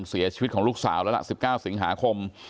เสียชีวิตของลูกสาวแล้วล่ะ๑๙สิงหาคม